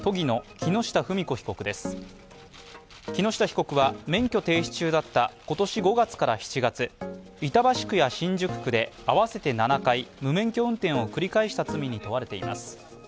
木下被告は、免許停止中だった今年５月から７月板橋区や新宿区で合わせて７回無免許運転を繰り返した罪に問われています。